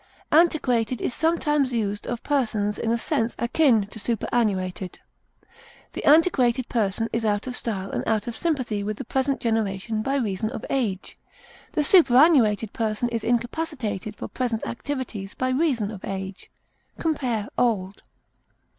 Antiquated is sometimes used of persons in a sense akin to superannuated. The antiquated person is out of style and out of sympathy with the present generation by reason of age; the superannuated person is incapacitated for present activities by reason of age. Compare OLD.